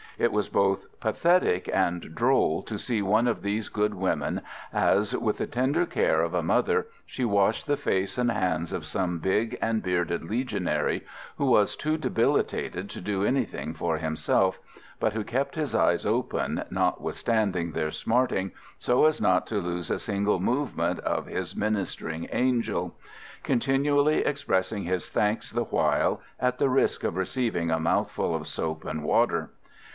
It was both pathetic and droll to see one of these good women as, with the tender care of a mother, she washed the face and hands of some big and bearded Legionary who was too debilitated to do anything for himself, but who kept his eyes open, notwithstanding their smarting, so as not to lose a single movement of his ministering angel; continually expressing his thanks the while, at the risk of receiving a mouthful of soap and water.